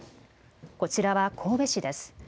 こちらは神戸市です。